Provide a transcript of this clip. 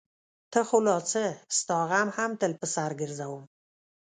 ته خو لا څه؛ ستا غم هم تل په سر ګرځوم.